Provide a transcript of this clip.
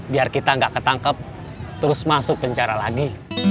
biar kita nggak ketangkep terus masuk penjara lagi